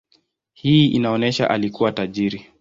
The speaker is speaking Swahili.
Hii inaonyesha alikuwa tajiri.